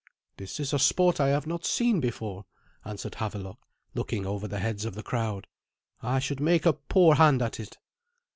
"This is a sport that I have not seen before," answered Havelok, looking over the heads of the crowd. "I should make a poor hand at it."